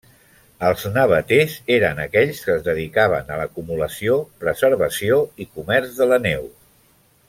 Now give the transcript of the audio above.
Els nevaters eren aquells que es dedicaven a l'acumulació, preservació i comerç de la neu.